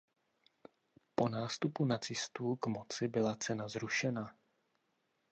Po nástupu nacistů k moci byla cena zrušena.